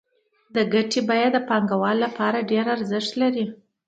د ګټې بیه د پانګوال لپاره ډېر ارزښت لري